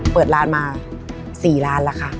เปิดร้านมา๔ร้านแล้วค่ะ